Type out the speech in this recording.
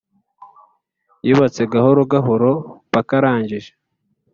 Yubatse Gahoro gahoro mpaka arangije